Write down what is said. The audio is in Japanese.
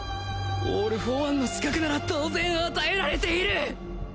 オール・フォー・ワンの刺客なら当然与えられている！